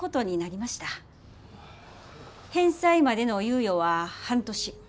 返済までの猶予は半年。